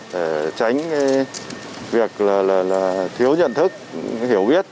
để tránh việc thiếu nhận thức hiểu biết